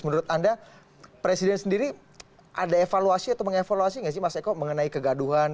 menurut anda presiden sendiri ada evaluasi atau mengevaluasi nggak sih mas eko mengenai kegaduhan